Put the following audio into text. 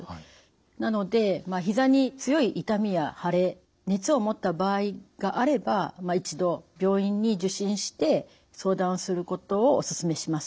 なのでひざに強い痛みや腫れ熱をもった場合があれば一度病院に受診して相談することをおすすめします。